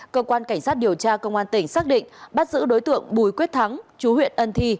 cơ quan cảnh sát điều tra công an tỉnh xác định bắt giữ đối tượng bùi quyết thắng chú huyện ân thi